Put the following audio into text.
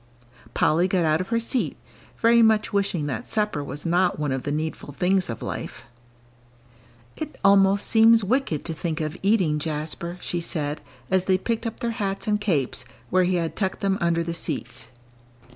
Polly got out of her seat, very much wishing that supper was not one of the needful things of life. "It almost seems wicked to think of eating, Jasper," she said, as they picked up their hats and capes, where he had tucked them under the seats.